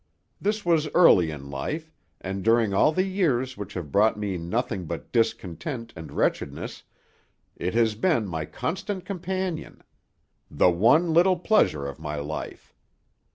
This was early in life, and during all the years which have brought me nothing but discontent and wretchedness, it has been my constant companion; the one little pleasure of my life.